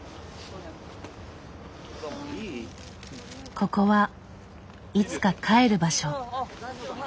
ここはいつか帰る場所。